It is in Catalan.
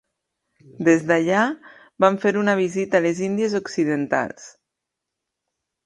Des d'allà, van fer una visita a les Índies Occidentals.